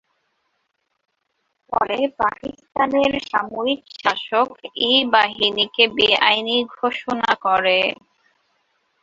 ফলে পাকিস্তানের সামরিক শাসক এ বাহিনীকে বেআইনি ঘোষণা করে।